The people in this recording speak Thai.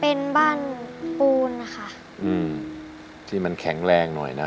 เป็นบ้านปูนนะคะอืมที่มันแข็งแรงหน่อยนะ